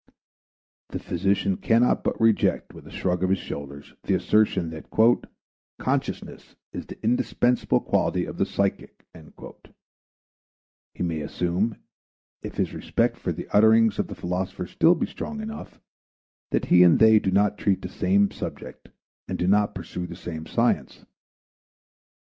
The physician cannot but reject with a shrug of his shoulders the assertion that "consciousness is the indispensable quality of the psychic"; he may assume, if his respect for the utterings of the philosophers still be strong enough, that he and they do not treat the same subject and do not pursue the same science.